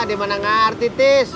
ah dimana ngerti tis